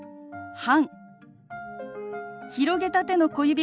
「半」。